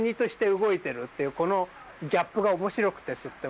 っていうこのギャップが面白くて。